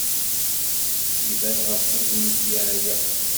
Iban ɣef wudem-is yeɛya.